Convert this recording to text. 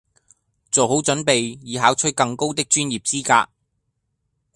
做好準備以考取更高的專業資格